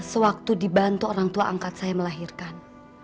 sewaktu dibantu orang tua angkat saya melahirkan